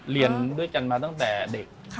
เรียนด้วยกันมาตั้งแต่เด็ก